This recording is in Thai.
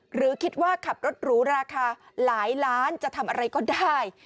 หรือคิดว่าขับรถหรูราคาหลายล้านจะทำอะไรก็ได้